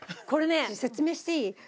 これね、説明していい？